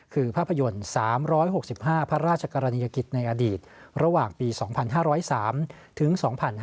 คือภาพยนตร์๓๖๕พระราชกรณียกิจในอดีตระหว่างปี๒๕๐๓ถึง๒๕๕๙